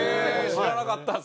知らなかった。